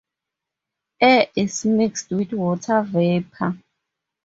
Air is mixed with water vapor.